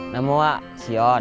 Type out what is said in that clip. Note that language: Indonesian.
namu pak sion